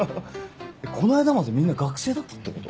この間までみんな学生だったってこと？